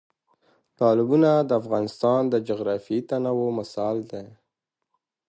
تالابونه د افغانستان د جغرافیوي تنوع مثال دی.